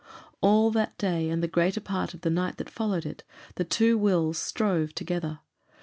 All that day, and the greater part of the night that followed it, the two wills strove together.